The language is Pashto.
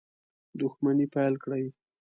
دښمني پیل کړي.